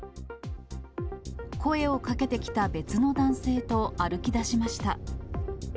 声をかけてきた別の男性と歩きだしました。